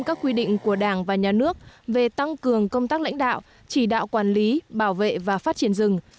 các quy định của đảng và nhà nước về tăng cường công tác lãnh đạo chỉ đạo quản lý bảo vệ và phát triển rừng